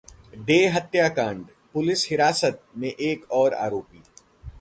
day हत्याकांडः पुलिस हिरासत में एक और आरोपी